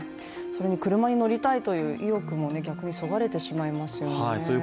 それに車に乗りたいという意欲も逆にそがれてしまいますよね。